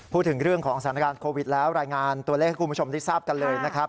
พูดถึงเรื่องของสถานการณ์โควิดแล้วรายงานตัวเลขให้คุณผู้ชมได้ทราบกันเลยนะครับ